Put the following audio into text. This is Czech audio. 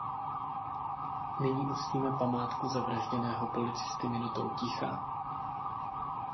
Nyní uctíme památku zavražděného policisty minutou ticha.